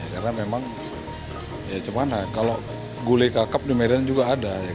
karena memang ya cuman lah kalau gulai kakap di medan juga ada